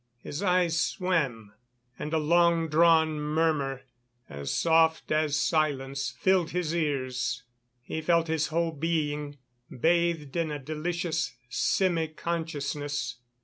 His eyes swam, and a long drawn murmur, as soft as silence, filled his ears. He felt his whole being bathed in a delicious semi consciousness.